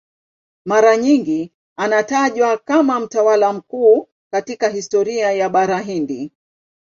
Mara nyingi anatajwa kama mtawala mkuu katika historia ya Bara Hindi.